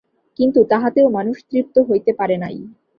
কিন্তু তাহাতেও মানুষ তৃপ্ত হইতে পারে নাই।